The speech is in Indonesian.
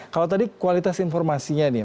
kalau tadi kualitas informasinya nih